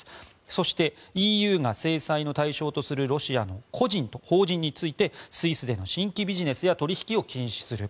そして、ＥＵが制裁の対象とするロシアの個人と法人についてスイスでの新規ビジネスや取引を禁止する。